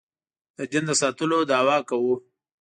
د دین د ساتلو دعوه کوو.